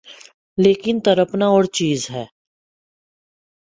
لیکن تڑپنا اورچیز ہے۔